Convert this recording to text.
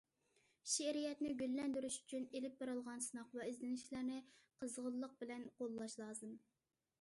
شېئىرىيەتنى گۈللەندۈرۈش ئۈچۈن ئېلىپ بېرىلغان سىناق ۋە ئىزدىنىشلەرنى قىزغىنلىق بىلەن قوللاش لازىم.